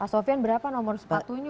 sofian berapa nomor sepatunya